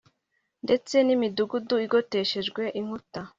ndetse nimidugudu igoteshejwe inkuta